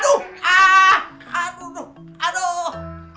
aduh aduh aduh